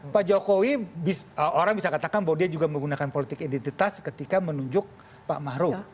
pak jokowi orang bisa katakan bahwa dia juga menggunakan politik identitas ketika menunjuk pak maruf